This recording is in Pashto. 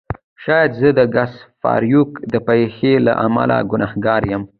شاید زه د ګس فارویک د پیښې له امله ګناهګار یم